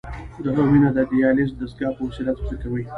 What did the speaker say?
د هغه وینه د دیالیز د دستګاه په وسیله تصفیه کوي.